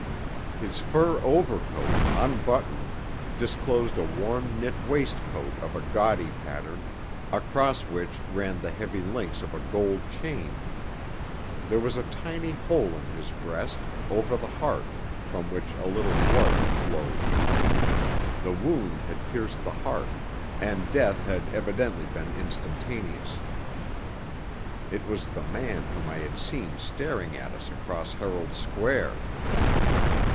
His fur overcoat, unbuttoned, disclosed a warm knit waistcoat of a gaudy pattern, across which ran the heavy links of a gold chain. There was a tiny hole in his breast, over the heart, from which a little blood had flowed. The wound had pierced the heart, and death had evidently been instantaneous. It was the man whom I had seen staring at us across Herald Square.